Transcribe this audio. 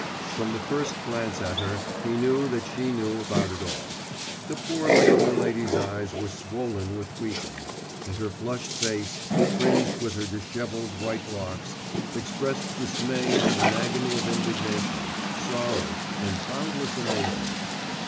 From the first glance at her, he knew that she knew about it all; the poor maiden lady's eyes were swollen with weeping, and her flushed face, fringed with her dishevelled white locks, expressed dismay and an agony of indignation, sorrow, and boundless amazement.